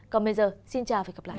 còn bây giờ xin chào và hẹn gặp lại